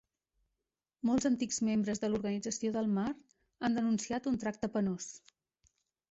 Molts antics membres de l'Organització del Mar han denunciat un tracte penós.